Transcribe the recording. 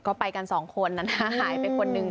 ก็ไปกันสองคนนั้นนะหายไปคนนึง